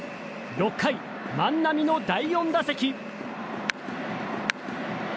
６回、万波の第４打席。